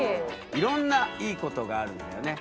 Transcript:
いろんないいことがあるんだよね。